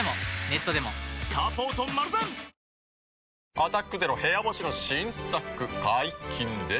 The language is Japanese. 「アタックＺＥＲＯ部屋干し」の新作解禁です。